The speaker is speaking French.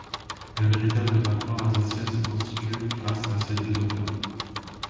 Un véritable répertoire alsacien se constitue grâce à ces deux auteurs.